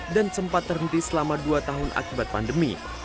dan sempat terhenti selama dua tahun akibat pandemi